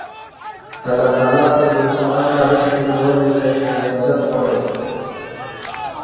د الله تعالی سره د انسانانو اړیکي ټینګول رياضت غواړي.